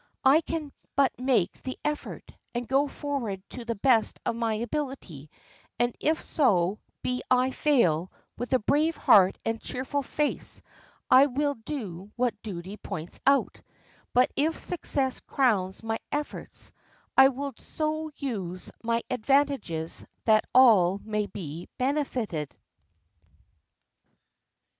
I can but make the effort, and go forward to the best of my ability; and if so be I fail, with a brave heart and a cheerful face I will do what duty points out; but if success crowns my efforts, I will so use my advantages that all may be benefited."